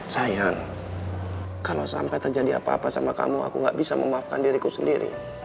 sayang kalau sampai terjadi apa apa sama kamu aku gak bisa memaafkan diriku sendiri